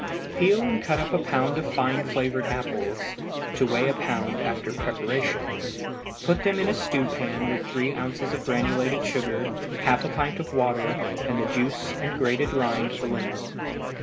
_ Peel and cut up a pound of fine flavored apples (to weigh a pound after preparation); put them in a stewpan with three ounces of granulated sugar, half a pint of water, and the juice and grated rind of a lemon.